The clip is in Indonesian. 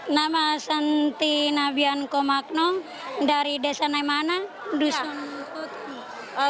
nama santi nabian komakno dari desa naimana dusun putih